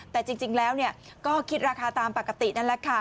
แต่จริงแล้วก็คิดราคาตามปกตินั่นแหละค่ะ